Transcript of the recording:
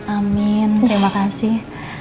amin terima kasih